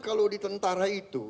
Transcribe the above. kalau di tentara itu